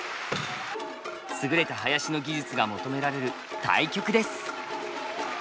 優れた囃子の技術が求められる大曲です。